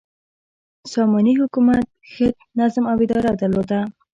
ساماني حکومت ښه نظم او اداره درلوده.